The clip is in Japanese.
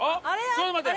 ちょっと待って。